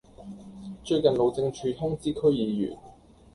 最近路政署通知區議員